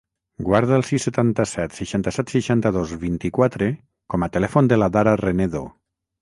Guarda el sis, setanta-set, seixanta-set, seixanta-dos, vint-i-quatre com a telèfon de l'Adara Renedo.